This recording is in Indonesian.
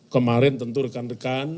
kemarin tentu rekan rekan